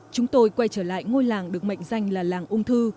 chúng tôi quay trở lại ngôi làng được mệnh danh là làng ung thư